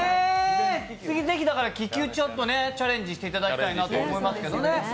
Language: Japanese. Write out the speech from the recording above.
次、気球にチャレンジしていただきたいと思います。